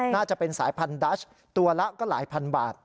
น่าจะเป็นสายพันธัชตัวละก็หลายพันบาท